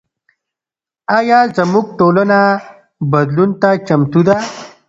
ایا زموږ ټولنه بدلون ته چمتو ده؟